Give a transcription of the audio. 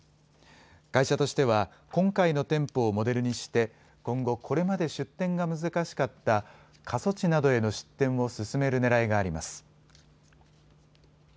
会社としては今回の店舗をモデルにして今後、これまで出店が難しかった過疎地などへの出店を進めるねらいがあります。